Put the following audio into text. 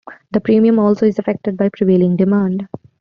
The premium also is affected by prevailing demand.